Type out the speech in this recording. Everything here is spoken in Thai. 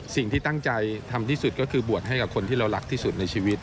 สิ่งที่ตั้งใจทำที่สุดก็คือบวชให้กับคนที่เรารักที่สุดในชีวิต